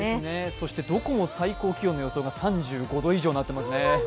そしてどこも最高気温の予想が３５度以上となっていますね。